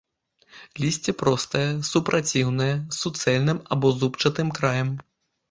Лісце простае, супраціўнае, з суцэльным або зубчастым краем.